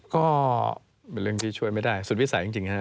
ก็เป็นเรื่องที่ช่วยไม่ได้สุดวิสัยจริงฮะ